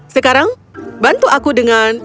sekarang bantu aku dengan